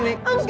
gue kenceng nih